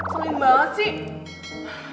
seling banget sih